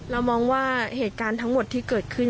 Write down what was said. เรามองว่าเหตุการณ์ทั้งหมดที่เกิดขึ้น